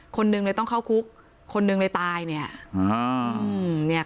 คนหนึ่งเลยต้องเข้าคุกคนหนึ่งเลยตายเนี่ย